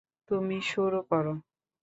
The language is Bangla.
তুমি শুরু কোরো।